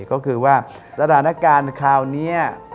ก็คือว่าสถานการณ์คราวนี้